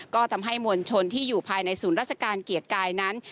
ก็ทำให้มวลชนที่อยู่ภายในศูนย์ราชการเกียรติกายนั้น